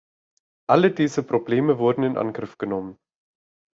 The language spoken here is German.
Alle diese Probleme wurden in Angriff genommen.